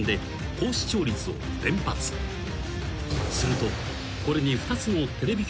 ［するとこれに］